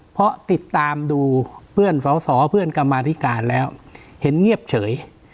เพราะติดตามดูเพื่อนสอสอเพื่อนกรรมาธิการแล้วเห็นเงียบเฉย